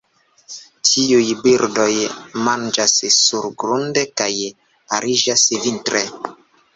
Tiuj birdoj manĝas surgrunde, kaj ariĝas vintre.